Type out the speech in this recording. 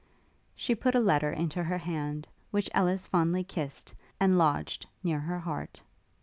She put a letter into her hand, which Ellis fondly kissed, and lodged near her heart.